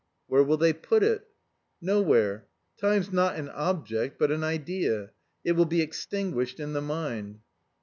"Where will they put it?" "Nowhere. Time's not an object but an idea. It will be extinguished in the mind."